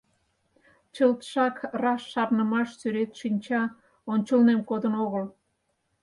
Чылтшак раш шарнымаш сӱрет шинча ончылнем кодын огыл.